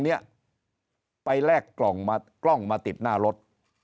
เนี่ยไปแลกกลองมาติดหน้ารถ